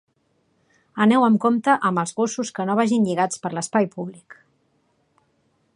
Aneu amb compte amb els gossos que no vagin lligats per l'espai públic.